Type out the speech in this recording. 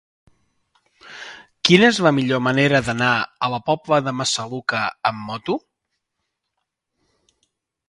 Quina és la millor manera d'anar a la Pobla de Massaluca amb moto?